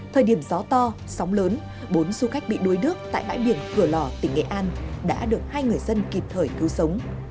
thời điểm gió to sóng lớn bốn du khách bị đuối nước tại bãi biển cửa lò tỉnh nghệ an đã được hai người dân kịp thời cứu sống